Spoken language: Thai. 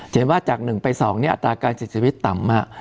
เห็นว่าจาก๑ไป๒อัตราการเสียชีวิตต่ำมาก